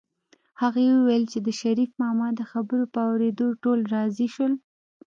هغې وویل چې د شريف ماما د خبرو په اورېدو ټول راضي شول